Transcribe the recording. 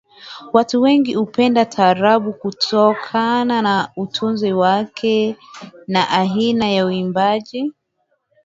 Watu wengi hupenda taarabu kutokana na utunzi wake na aina ya uimbaji